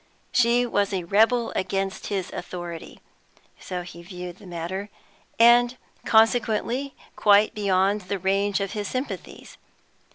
She was a rebel against his authority so he viewed the matter and consequently quite beyond the range of his sympathies.